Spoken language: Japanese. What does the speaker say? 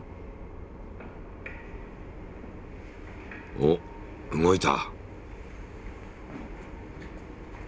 お動いた。